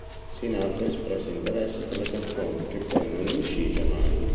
Sinatra" espresse interesse per la canzone, che poi non incise mai.